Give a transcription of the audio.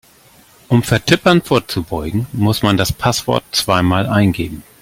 Um Vertippern vorzubeugen, muss man das Passwort zweimal eingeben.